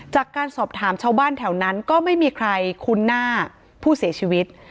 จากการสอบถามชาวบ้านแถวนั้นก็ไม่มีใครคุ้นหน้าผู้เสียชีวิต